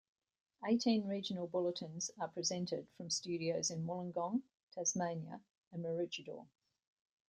Eighteen regional bulletins are presented from studios in Wollongong, Tasmania and Maroochydore.